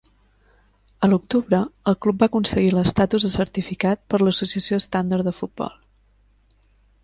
A l'octubre el club va aconseguir l'estatus de certificat per l'Associació Standard de Futbol.